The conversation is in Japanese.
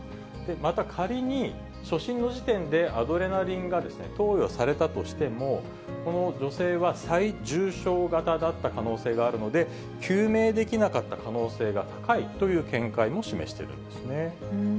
また、仮に初診の時点でアドレナリンが投与されたとしても、この女性は最重症型だった可能性があるので、救命できなかった可能性が高いという見解も示しているんですね。